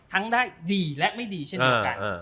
ได้ดีและไม่ดีเช่นเดียวกัน